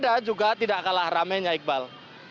dan tentunya juga tidak kalah ramainya iqbal